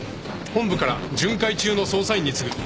「本部から巡回中の捜査員に告ぐ。